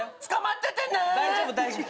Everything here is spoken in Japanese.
大丈夫大丈夫。